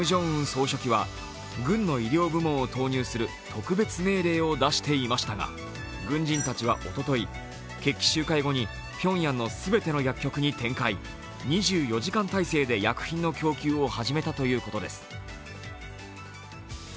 総書記は軍の医療部門を投入する特別命令を出していましたが軍人たちはおととい、決起集会後にピョンヤンの全ての薬局に展開、２４時間体制で薬品の供給を始めたということです。